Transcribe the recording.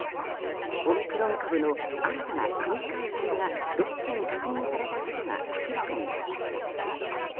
オミクロン株の新たな組み換え体が６件確認されたことが明らかになりました。